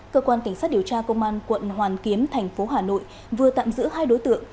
cơ quan cảnh sát điều tra công an quận hoàn kiếm thành phố hà nội vừa tạm giữ hai đối tượng